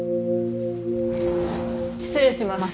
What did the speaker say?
失礼します。